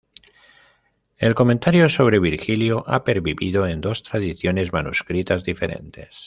El comentario sobre Virgilio ha pervivido en dos tradiciones manuscritas diferentes.